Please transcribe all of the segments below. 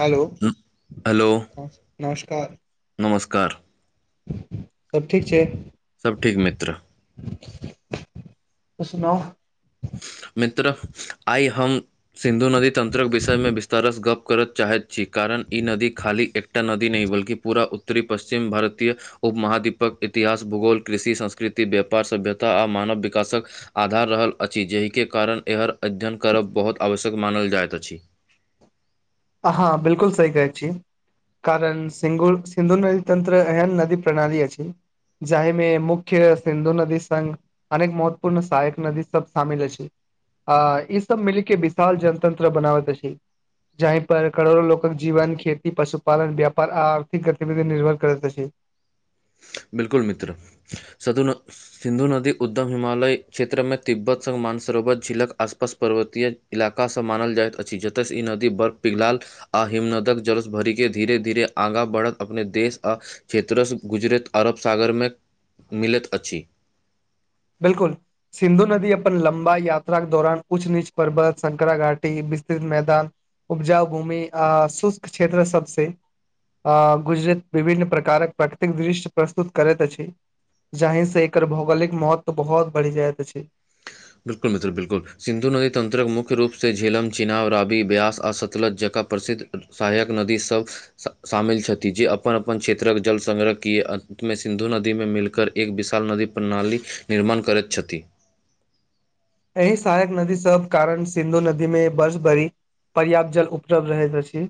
Hello, hello न नमस्कार। नमस्कार। सब ठीक छै? सब ठीक मित्र। त सुनाउ। मित्र, आइ हम सिन्धु नदी तंत्रक विषयमे विस्तारसँ गप्प कर चाहैत छी, कारण ई नदी खाली एकटा नदी नहि बल्कि पूरा उत्तरी पश्चिम भारतीय उपमहाद्वीपक इतिहास, भूगोल, कृषि, संस्कृति, व्यापार, सभ्यता आ मानव विकासक आधार रहल अछि जाहिके कारण एकर अध्ययन करब बहुत आवश्यक मानल जाइत अछि। अहँ बिलकुल सही कहै छी। कारण सिंघू सिन्धू नदी तंत्र एहन नदी प्रणाली अछि जाहिमे मुख्य मे सिन्धु नदी संघ अनेक महत्वपूर्ण सहायक नदी सब शामिल अछि। आ ई सब मिल के विशाल जनतंत्र बनाबैत अछि। जाहि पर करोड़ो लोक जीवन खेती, पशुपालन, व्यापार आ आर्थिक गतिविधि निर्भर करैत छै। बिल्कुल मित्र, सधु न सिन्धु नदीक उद्गम हिमालय क्षेत्रमे तिब्बत संग मानसरोवर झिलक आसपास पर्वतीय इलाका सब मानल जाइत अछि जतय से ई नदी बर्फ पिघलाल आ हिमनदक जल सं भरि के धीरे धीरे आगाँ बढ़ैत अपन देश आ क्षेत्रसँ गुजरैत अरब सागरमे मिलैत अछि। बिलकुल। सिन्धु नदी अपन लम्बा यात्राक के दौरान उच्च नीच पर्वत, शंकराघाटी, विस्तृत मैदान उपजाऊ भूमि आ शुष्क क्षेत्र सबसे आ गुजरैत विभिन्न प्रकारक प्राकृतिक दृश्य प्रस्तुत करैत अछि। जाहिसे एकर भौगोलिक महत्व बहुत बढ़ि जाइत अछि। बिल्कुल मित्र बिल्कुल। सिन्धु नदी तन्त्रक मुख्य रूपसँ झेलम, चिनाव, राबी, ब्यास आ सतलज जकाँ प्रसिद्ध सहायक नदी सब शामिल छथि जे अपन अपन क्षेत्रक जल सङग्रहके अन्तमे सिन्धु नदीमे मिलकर एक विशाल नदी प्रणाली निर्माण करैत छथि। एहि सहायक नदी सब कारण सिन्धु नदी मे वर्ष भरि पर्याप्त जल उपलब्ध रहै अछि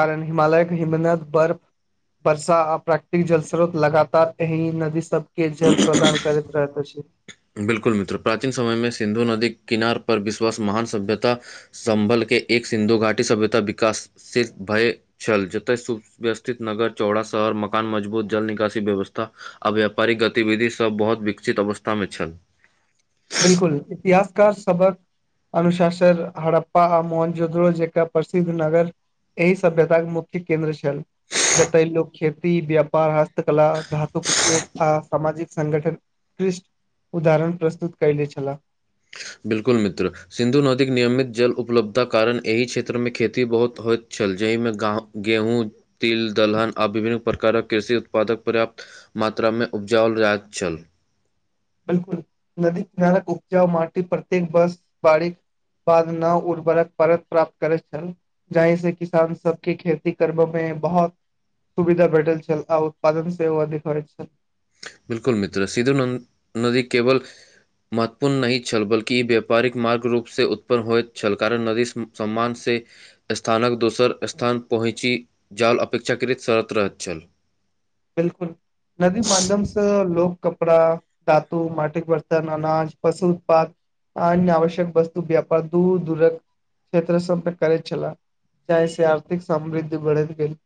कारण हिमालयके हिमनत बर्फ वर्षा आ प्राकृतिक जल स्रोत लगातार एहि नदी सब के जल प्रदान करैत रहैत अछि। बिलकुल मित्र प्राचीन समयमे सिन्धु नदी किनार पर विश्वास महान सभ्यता संभल के एक सिन्धु घाटी सभ्यता विकासशील भय छल जतय सुव्यवस्थित नगर, चौड़ा शहर, मकान मजबूत जल निकासी व्यवस्था आ व्यापारिक गतिविधि सभ बहुत विकसित अवस्था मे छल। बिलकुल, इतिहासकार सभक अनुशासन हड़प्पा आ मोहन जोंद्रो जेका प्रसिद्ध नगर एहि सभ्यताके मुख्य केन्द्र छल। जतय लोक खेती, व्यापार, हस्तकला, धातुक उपयोग आ सामाजिक संगठन उत्कृष्ट उदाहरण प्रस्तुत कयने छलाह। बिलकुल मित्र। सिन्धु नदीके नियमित जल उपलब्धताक कारण एहि क्षेत्रमे खेती बहुत होइत छल जाहिमे गाँव गेहूँ तिल, दलहन आर विभिन्न प्रकारक कृषि उत्पादक पर्याप्त मात्रामे उपजाओल जाइत छल। बिलकुल नदी किनारक उपजाउ माटी प्रत्येक बस बाढिक बाद नव उर्वरक परत प्राप्त करैत छल जाहि से किसान सबके खेती करबमे बहुत सुविधा भेटल छल आ उत्पादन सेहो अधिक होई छल बिलकुल मित्र सिंधु न नदी केवल महत्वपूर्ण नहि छल बल्कि ई व्यापारिक मार्ग रूपसँ उत्पन्न होइत छल कारण नदी सम्मान से स्थानक दोसर स्थान पहुँचि जाल अपेक्षाकृत शरत रहैत छल। बिलकुल नदी माध्यमसँ लोक कपड़ा धातु, मटिक वर्तन, अनाज, पशु उत्पाद अन्य आवश्यक वस्तु के अपन दूर दूरक क्षेत्र सब पे करै छलाे जाहि से आर्थिक समृद्धि बढ़ैत गेल।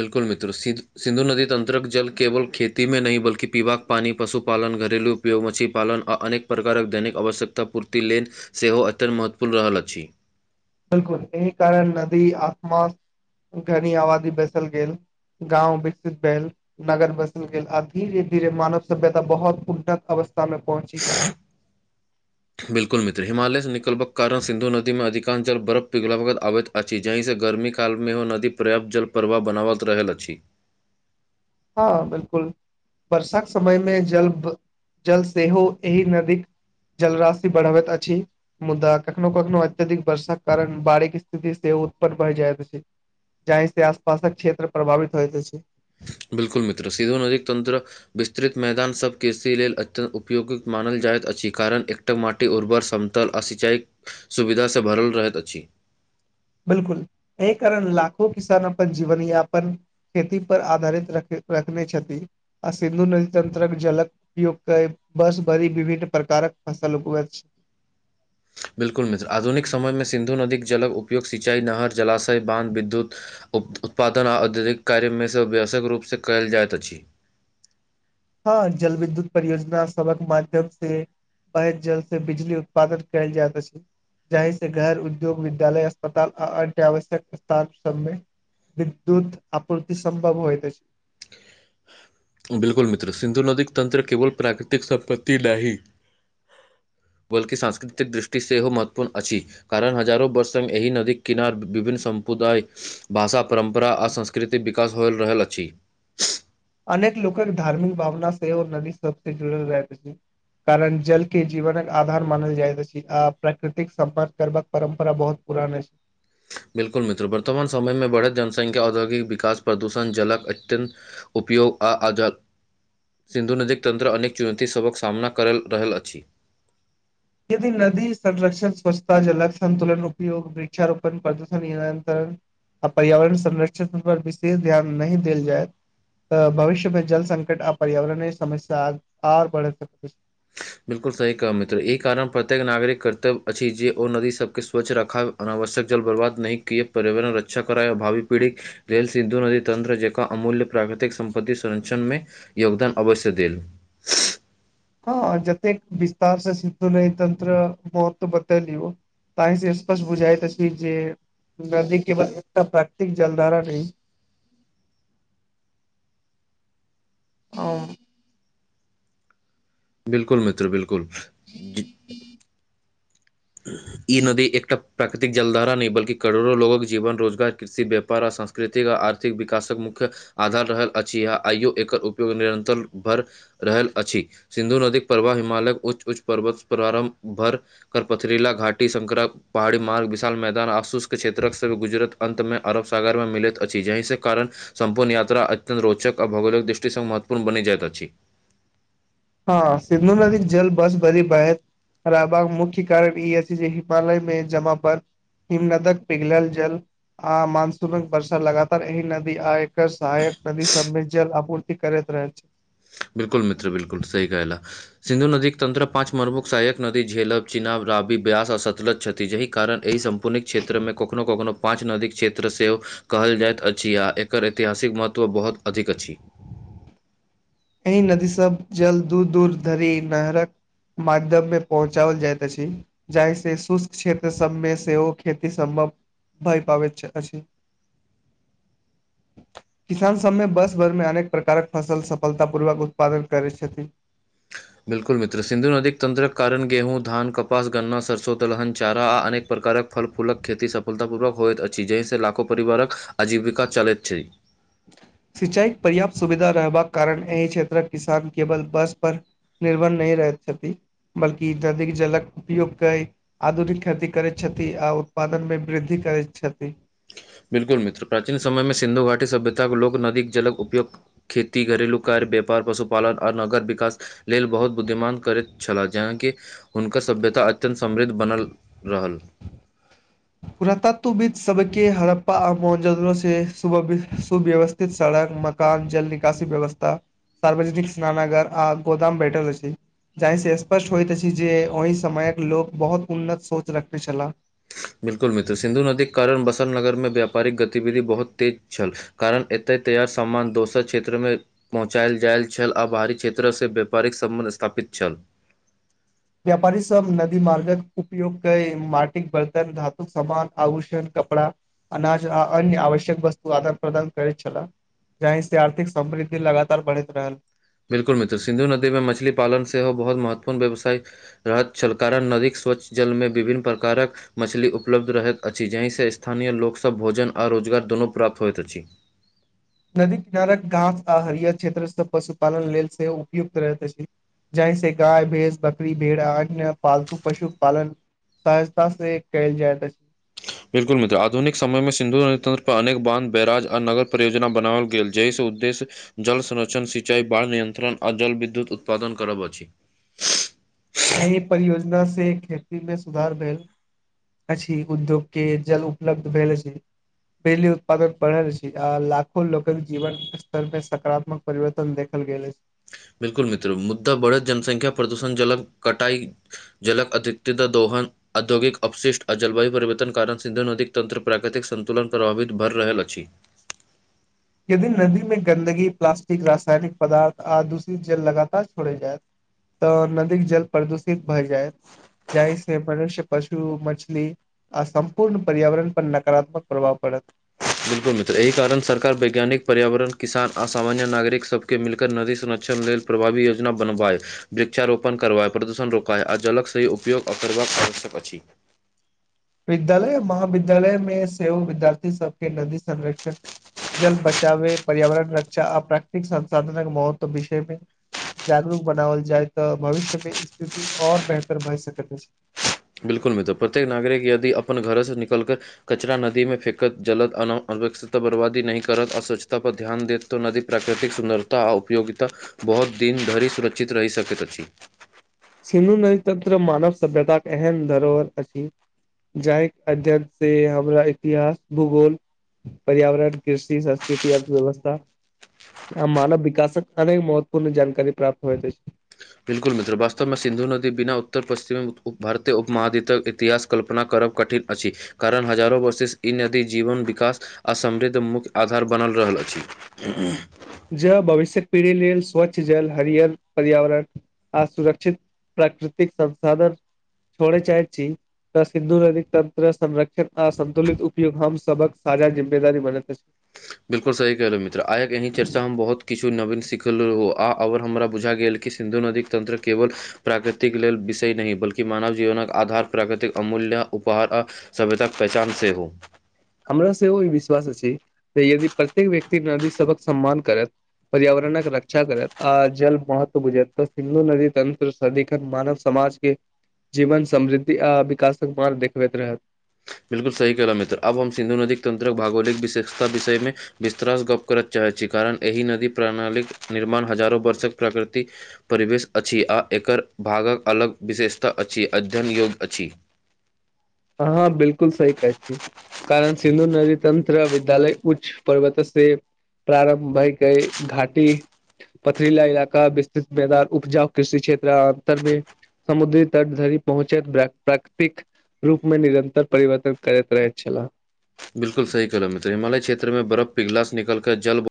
बिल्कुल मित्र सिंधु सिन्धु नदी तन्त्रक जल केवल खेती मे नहि बल्कि पीबाक पानि पशुपालन, घरेलू उपयोग, मछलीपालन आ अनेक प्रकारक दैनिक आवश्यकता पूर्ति लेल सेहो अत्यंत महत्वपूर्ण रहल अछि। बिलकुल एहि कारण नदी आसपास घनी आबादी बैसल गेल गाँव विकसित भेल नगर बसल गेल आ धीरे धीरे मानव सभ्यता बहुत उन्नत अवस्था मे पहुँची गेल। बिल्कुल मित्र हिमालयसँ निकलके कारण सिन्धु नदीमे अधिकांश जल बर्फ पिघलबैत आबैत अछि जाहिसँ गर्मी कालमे ओ नदी पर्याप्त जलप्रवाह बनाबत रहल अछि। हँ बिलकुल वर्षाक समय मे जल प जल सेहो एहि नदीक जलराशि बढ़बैत अछि मुदा कखनो कखनो अत्यधिक वर्षाक कारण बाढिक स्थिति सेहो उत्पन्न भऽ जायत अछि। जाहि से आस पासक क्षेत्र प्रभावित होइत अछि। बिल्कुल मित्र सिंधु नदीक तंत्र विस्तृत मैदान सभ कृषि लेल अत्यन्त उपयोगक मानल जाइत अछि कारण एक र माटि उर्वर समतल आ सिंचाईक सुविधासँ भरल रहैत अछि। बिल्कुल एहि कारण लाखों किसान अपन जीवनयापन खेती पर आधारित रख रखने छथि आ सिन्धु नदी तंत्रक जलक उपयोग बर्ष भरी विभिन्न प्रकारक फसल उगबैत छै। बिल्कुल मित्र आधुनिक समय मे सिन्धु नदीक जलक उपयोग सिंचाई, नहर, जलाशय, बांध, विद्युत उत्पादन आ अत्यधिक कार्यमे से अव्यस्यक रूपसँ कयल जाइत अछि। हँ जल विद्युत परियोजना सडक माध्यम से बहैत जल से बिजली उत्पादन कयल जायत अछै। जहि से घर, उद्योग, विद्यालय, अस्पताल आ अन्य आवश्यक स्थान सबमे विद्युत आपूर्ति संभव होइत अछि। बिल्कुल मित्र सिन्धु नदीक तन्त्र केवल प्राकृतिक संपत्ति नाहि बल्कि सांस्कृतिक दृष्टि सेहो महत्वपूर्ण अछि। कारण हजारो वर्ष से हम एहि नदीक किनार विभिन्न सम्पुदाय, भाषा परम्परा आ संस्कृत कृतिक विकास हो रहल अछि। अनेक लोकक धार्मिक भावना सेहो नदी सब से जुड़ल रहैत अछि कारण जल के जीवनक आधार मानल जायत अछि आ प्राकृतिक सम्मान करबाक परम्परा बहुत पुरान अति। बिलकुल मित्र वर्तमान समय मे बढ़ैत जनसंख्या, औद्योगिक विकास, प्रदूषण, जलक अत्यन्त उपयोग आ आज सिन्धु नदीक तन्त्र अनेक चुनौती सभक सामना करल रहल अछि। यदि नदी संरक्षण, स्वच्छता, जलक सन्तुलन उपयोग, वृक्षारोपण, प्रदूषण नियंत्रण आ पर्यावरण संरक्षण सब पर विशेष ध्यान नहि देल जाय- त भविष्य मे जल संकट आ पर्यावरणय समस्या आर बढ़ै बिलकुल सही कहम मित्र ई कारण प्रत्येक नागरिक कर्तव्य अछि जे ओ नदी सभके स्वच्छ रखाव अनावश्यक जल बर्बाद नहि कए पर्यावरण रक्षा कराए आओ भावी पीढ़ी लेल सिन्धु नदी तंत्र जेकां अमूल्य प्राकृतिक संपत्ति संरक्षणमे योगदान अवश्य देल। हँ जतेक विस्तार से सिधु नदी तंत्र महत्व बतेलियौ ताहि से स्पष्ट बुझाइत अछि जे नदी केबल एकटा प्राकृतिक जलधारा नही [inaudible] ओ बिलकुल मित्र बिलकुल ई नदी एकटा प्राकृतिक जलधारा नहि बल्कि करोड़ो लोगक जीवन, रोजगार, कृषि, व्यापार आर सांस्कृतिक आ आर्थिक विकासक मुख्य आधार रहल अछि आ आइयो एकर उपयोग निरन्तर बर रहल अछि, सिन्धु नदीक प्रवाह हिमालयक उच्च उच्च पर्वत प्रारम्भ भर कर पथरीला घाटी, संकरा पहाड़ी मार्ग, विशाल मैदान आ शुष्क क्षेत्रक से गुजरत अन्तमे अरब सागर मे मिलैत अछि जहिसें कारण सम्पूर्ण यात्रा अत्यंत रोचक आ भौगोलिक दृष्टि सॅं महत्वपूर्ण बनि जाइत अछि। हँ सिन्धु नदीक जल वर्ष भरी बहैत रहबाक मुख्य कारण ई अछि जे हिमालय में जमा बर्फ हिमनदक पिघलल जल आ मानसूनक वर्षा लगातार एहि नदी आ एकर सहायक नदी सबमें जल आपूर ति करैत रहैत छै। बिल्कुल मित्र बिल्कुल सही कहलेउ सिन्धु नदीक तंत्र पाँच प्रमुख सहायक नदी झेलब, चिनाब, राबी, ब्यास आ सतलज छथि जेहि कारण एहि सम पुणीक क्षेत्र में कखनो कखनो पाँच नदीके क्षेत्र सेहो कहल जाइत अछि आ एकर ऐतिहासिक महत्व बहुत अधिक अछि। एहि नदी सब जल दूर-दूर धरि नहरक माध्यम में पहुँचाबल जाइत अछि। जाहिसे शुष्क क्षेत्र सबमें सेहो खेती सम्भव भय पाबैत अछि। [inaudible] किसान सबमें वर्ष भर में अनेक प्रकारक फसल सब सफलतापूर्वक उत्पादन करै छथिन। बिल्कुल मित्र सिन्धु नदीक तंत्रक कारण गेहूँ, धान, कपास, गन्ना, सरसो, दलहन, चारा आ अनेक प्रकारक फल फूलक खेती सफलतापूर्वक होइत अछि जहिसँ लाखों परिवारक आजीविका चलैत छै। सिंचाईक पर्याप्त सुविधा रहबाक कारण एहि क्षेत्रक किसान केवल बर्ष पर निर्भर नहि रहैत छथि बल्कि ददीक जलक उपयोग कै आधुनिक खेती करैत छथि आ उत्पादन में वृद्धि करैत छथि। बिल्कुल मित्र प्राचीन समय में सिन्धु घाटी सभ्यताक लोक नदीक जलक उपयोग खेती, घरेलू कार्य, व्यापार, पशुपालन आर नगर विकास लेल बहुत बुद्धिमान करैत छलाह जहन कि हुनकर सभ्यता अत्यन्त समृद्ध बनल रहल। पुरातत्व बीच सभके हड़प्पा आ मोहनजोदड़ो से सुव्यवि सुव्यवस्- थित सड़क, मकान, जल निकासी व्यवस्था सार्वजनिक स्नानागार आ गोदाम भेटल अछि। जाहिसँ स्पष्ट होइत अछि, जे ओहि समयक लोक बहुत उन्नत सोच रखैत छलाह। बिल्कुल मित्र, सिन्धु नदीक कारण बसंत नगरमे व्यापारिक गतिविधि बहुत तेज छल। कारण एतय तैयार सामान दोसर क्षेत्रमे पहुँचायल जायल छल आ बाहरी क्षेत्रसँ व्यापारिक सम्बन्ध स्थापित छल। व्यापारीसभ नदी मार्गक उपयोग कय माटिक बर्तन, धातुक समान, आभूषण, कपड़ा अनाज आ अन्य आवश्यक वस्तुक आदान-प्रदान करैत छलाह। जाहिसँ आर्थिक समृद्धि लगातार बढ़ैत रहल। बिल्कुल मित्र, सिन्धु नदीमे मछली पालन सेहो बहुत महत्वपूर्ण व्यवसाय रहत छल, कारण नदीक स्वच्छ जलमे विभिन्न प्रकारक मछली उपलब्ध रहैत अछि, जहिसँ स्थानीय लोकसभ भोजन आ रोजगार दुनू प्राप्त होइत अछि। नदी किनारक घास आ हरियर क्षेत्रसभ पशुपालन लेल सेहो उपयुक्त रहैत अछि। जाहिसँ गाय, भैंस, बकरी, भेड़ आ अन्य पालतू पशुपालन सहजतासँ ई कयल जाइत अछि। बिल्कुल मित्र, आधुनिक समयमे सिन्धु नदी तटपर अनेक बांध, बैराज आ नगर परियोजना बनाओल गेल जाहिसँ उद्देश्य जल संरक्षण, सिंचाई, बाढ़ि नियंत्रण आ जल विद्युत उत्पादन करब अछि। एहि परियोजनासँ खेतीमे सुधार भेल अछि, उद्योगके जल उपलब्ध भेल अछि। बिजली उत्पादन बढ़ल अछि आ लाखो लोकक जीवन स्तरमे सकारात्मक परिवर्तन देखल गेल अछि। बिल्कुल मित्र, मुद्दा बढ़ैत जनसंख्या प्रदूषण जलक कटाई जलक अधिकित्ता दोहन औद्योगिक अपशिष्ट आ जलवायु परिवर्तन कारण सिन्धु नदीक तंत्र प्राकृतिक संतुलन प्रभावित भऽ रहल अछि। यदि नदीमे गन्दगी, प्लास्टिक, रसायनिक पदार्थ आ दूषित जल लगातार छोड़ल जायत तऽ नदीक जल प्रदूषित भए जायत। जाहिसँ मनुष्य, पशु, मछली आ सम्पूर्ण पर्यावरणपर नकारात्मक प्रभाव पड़त। बिलकुल मित्र, एहि कारण सरकार वैज्ञानिक पर्यावरण, किसान आ सामान्य नागरिक सबके मिलकर नदी संरक्षण लेल प्रभावी योजना बनबाए वृक्षारोपण करवाए, प्रदूषण रोकवाय आ जलक सही उपयोग आ [unintelligible] करबाक आवश्यक अछि। विद्यालय, महाविद्यालयमे सेहो विद्यार्थी सभकेँ नदी संरक्षण जल बचावय, पर्यावरण रक्षा आ प्राकृतिक संसाधनक महत्वक विषयमे जागरुक बनाओल जाय, तऽ भविष्यमे स्थिति ओर बेहतर भए सकैत अछि। बिल्कुल मित्र, प्रत्येक नागरिक यदि अपन घरेसँ निकलि कऽ कचरा नदीमे फेेकत, जलक अन अनावश्यकता बर्बादी नहि करत आ स्वच्छतापर ध्यान देत तऽ नदीक प्राकृतिक सुन्दरता आ उपयोगिता बहुत दिन धरि सुरक्षित रहि सकैत अछि। सिन्धु नदी तऽ मानव सभ्यतााक एहन धरोहर अछि जाहिक अध्ययनसँ हमरा इतिहास, भूगोल पर्यावरण, कृषि, संस्कृति, अर्थव्यवस्था आ मानव विकासक अनेक महत्वपूर्ण जानकारी प्राप्त होइत अछि। बिल्कुल मित्र, वास्तवमे सिन्धु नदी बिना उत्तर पश्चिमी उप भारतीय उप महाद्वीपक इतिहासके कल्पना करब कठिन अछि कारण हजारो वर्षे ई नदी जीवन विकास आ समृद्ध मुख्य आधार बनल रहल अछि। जल भविष्य पीढ़ी लेल स्वच्छ जल हरियर पर्यावरण असुरक्षित प्राकृतिक संसाधन छोड़ै चाहैत छी त सिन्धु नदी तत्र संरक्षण आ सतुलित उपयोग हम सभक साझा जिम्मेदारी बनैत अछि। बिलकुल सही कहलहुँ मित्र, आइक ई चर्चा मे हम सब बहुत किछु नवीन सिखल आ और हमरा बुझा गेल कि सिन्धु नदीक तंत्र केवल प्राकृतिक लेल विषय नहीं बल्कि मानव जीवनक आधार प्राकृतिक अमूल्य उपहार आ सभ्यताक पहचान सेहो हमरा से ई विश्वास अछि जे यदि प्रत्येक व्यक्ति नदी सबक सम्मान करत पर्यावरणक रक्षा करत आ जल महत्व बुझत त सिन्धु नदी तंत्र सदिखन मानव समाज के जीवन समृद्धि आ विकासक मार्ग देखबैत रहत। बिलकुल सही कहल मित्र, आब हम सिन्धु नदीक तंत्रक भौगोलिक विशेषताक विषय मे विस्तार सं गप करय चाहै छी कारण एहि नदी प्रणालीक निर्माण हजारो वर्षक प्रकृति परिवेश अछि और एकर भागक अलग विशेषता अछि, अध्ययन योग्य अछि। अहां बिल्कुल सही कहै छी। कारण सिन्धु नदी तत्र विद्यालय उच्च पर्वत से प्रारम्भ भय के घाटी पथरीला इलाका विस्तृत मैदान उपजाउ कृषि क्षेत्र अंतर मे समुद्री तट धरि पहुँचैत प्राकृतिक रूप मे निरन्तर परिवर्तन करैत रहैत छले। बिल्कुल सही कहलहुँ मित्र हिमालय क्षेत्र मे बरफ पीघलला सं निकलि क जल ब